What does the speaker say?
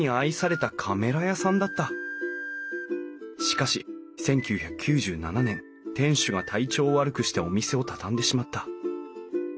しかし１９９７年店主が体調を悪くしてお店を畳んでしまった。